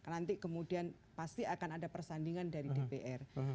nanti kemudian pasti akan ada persandingan dari dpr